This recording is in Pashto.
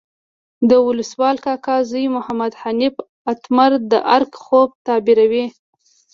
د ولسوال کاکا زوی محمد حنیف اتمر د ارګ خوب تعبیروي.